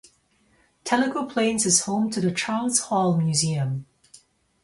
Tellico Plains is home to the Charles Hall Museum.